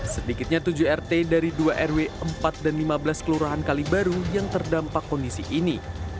sedikitnya tujuh rt dari dua rw empat dan lima belas kelurahan kalibaru yang terdampak kondisi ini